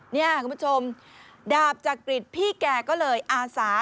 เนี่ยคุณผู้ชมดาบจักริตพี่แกก็เลยอาสา